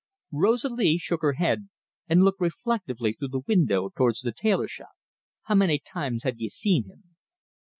Rosalie shook her head, and looked reflectively through the window towards the tailor shop. "How manny times have ye seen him?"